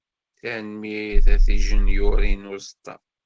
Tanemmirt a Tijenyurin n uẓeṭṭa.